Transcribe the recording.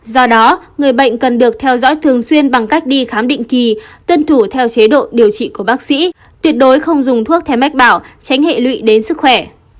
do đó người bệnh cần được theo dõi thường xuyên bằng cách đi khám định kỳ tuân thủ theo chế độ điều trị của bác sĩ tuyệt đối không dùng thuốc theo mách bảo tránh hệ lụy đến sức khỏe